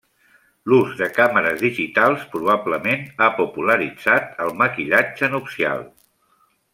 L'ús de càmeres digitals probablement ha popularitzat el maquillatge nupcial.